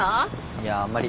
いやあんまり。